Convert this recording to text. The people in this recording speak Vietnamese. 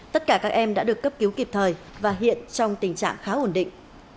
tất cả các em đã được cấp cứu kịp thời và hiện trong tình trạng khá ổn định